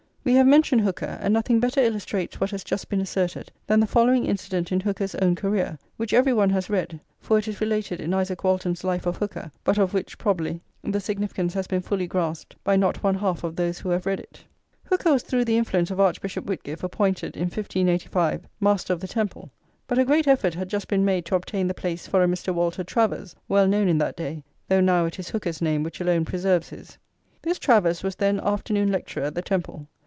We have mentioned Hooker, and nothing better illustrates what has just been asserted than the following incident in Hooker's own career, which every one has read, for it is related in Isaac Walton's Life of Hooker, but of which, [xxxviii] probably, the significance has been fully grasped by not one half of those who have read it. Hooker was through the influence of Archbishop Whitgift appointed, in 1585, Master of the Temple; but a great effort had just been made to obtain the place for a Mr. Walter Travers, well known in that day, though now it is Hooker's name which alone preserves his. This Travers was then afternoon lecturer at the Temple.